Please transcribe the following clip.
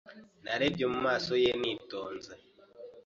Narebye mu maso ye nitonze.